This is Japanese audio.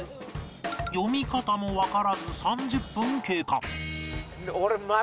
読み方もわからず３０分経過